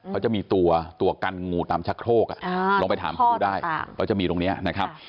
เขาจะมีตัวกันงูตามชักโครกลองไปถามเขาดูได้เขาจะมีตรงนี้นะครับ